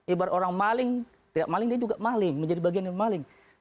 ibarat orang maling tidak maling dia juga maling menjadi bagian yang maling